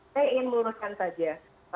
saya ingin menurutkan saja